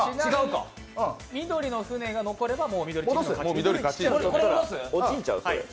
緑の船が残れば、緑チームの勝ちです。